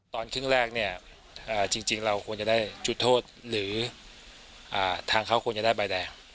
ตอนครึ่งแรกเนี่ยจริงเราควรจะได้จุดโทษหรือทางเขาควรจะได้ใบแดง